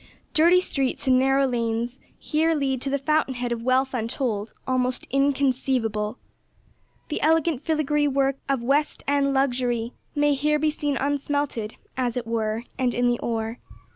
Dirty streets and narrow lanes here lead to the fountain head of wealth untold almost inconceivable. The elegant filigree work of West End luxury may here be seen unsmelted, as it were, and in the ore.